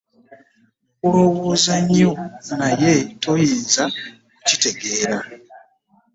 Nkulowooza nnyo naye toyinza kukitegeera.